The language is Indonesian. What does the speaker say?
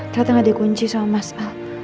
ternyata gak ada kunci sama mas al